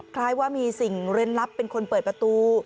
คล้ายว่ามีสิ่งเล่นลับเป็นคนเปิดประตู